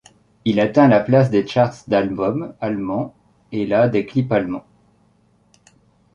Il atteint la place des charts d'albums allemands et la des clips allemands.